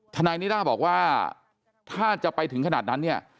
ทนายนิด้าบอกว่าถ้าจะไปถึงขนาดนั้นเนี่ย